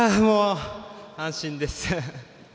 安心です。